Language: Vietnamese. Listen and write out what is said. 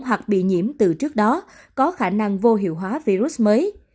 hoặc bị nhiễm từ trước đó có khả năng vô hiệu hóa virus mới